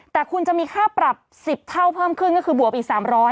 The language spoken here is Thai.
แต่คุณจะมีค่าปรับ๑๐เท่าเพิ่มขึ้นก็คือบวกอีก๓๐๐